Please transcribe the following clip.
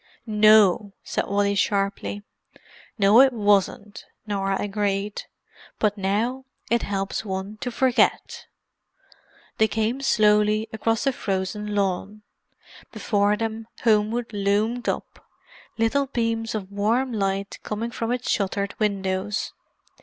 "No!" said Wally sharply. "No, it wasn't," Norah agreed. "But now—it helps one to forget." They came slowly across the frozen lawn. Before them Homewood loomed up, little beams of warm light coming from its shuttered windows.